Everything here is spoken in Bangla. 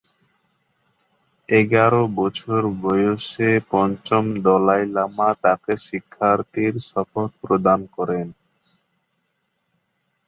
এগারো বছর বয়সে পঞ্চম দলাই লামা তাকে শিক্ষার্থীর শপথ প্রদান করেন।